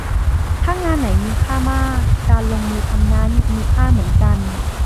ถ้างานไหนมีค่ามาก การลงมือทำนั้นมีค่าเหมือนกัน